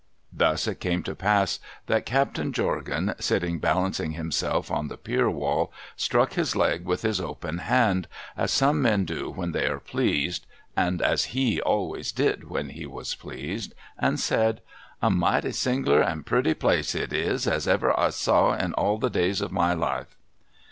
Thus it came to pass that Captain Jorgan, sitting balancing him self on the pier wall, struck his leg with his open hand, as some men do when they are pleased — and as he always did when he was pleased— and said, —' A mighty sing'lar and pretty place it is, as ever I saw in all the days of my life